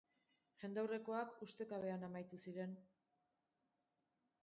Jendaurrekoak ustekabean amaitu ziren.